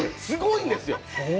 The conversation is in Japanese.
すごいんですよ！